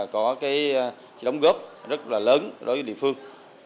có cái đóng góp rất là lớn đối với địa phương